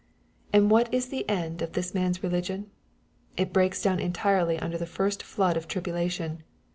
And what is the end of this man's religion ? It breaks down entirely under the first flood of tribulation.